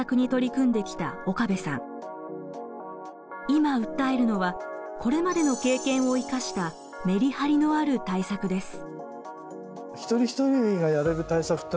今訴えるのはこれまでの経験を生かしたメリハリのある対策です。